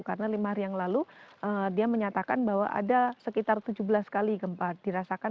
karena lima hari yang lalu dia menyatakan bahwa ada sekitar tujuh belas kali gempa dirasakan